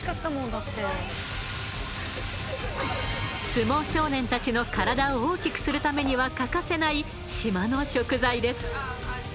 相撲少年たちの体を大きくするためには欠かせない島の食材です。